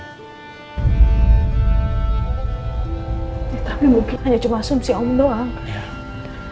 tapi mungkin hanya cuma asumsi om doang